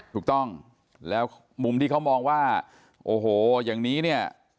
ถูกต้องแล้วมุมที่เขามองว่าโอ้โหอย่างนี้เนี่ย